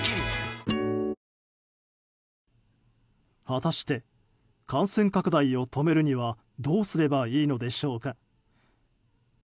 果たして感染拡大を止めるにはどうすればいいのでしょうか。